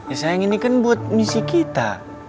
ya sayang ini kan buat misi kita